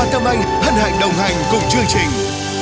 tâm anh hân hạnh đồng hành cùng chương trình